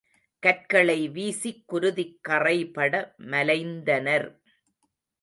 கற்களை வீசிக் குருதிக் கறைபட மலைந்தனர்.